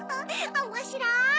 おもしろい！